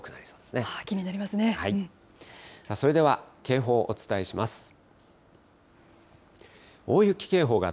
それでは、警報をお伝えします。